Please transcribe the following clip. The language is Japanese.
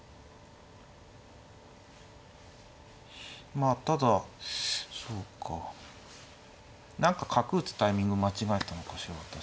まあただそうか何か角打つタイミング間違えたのかしら私。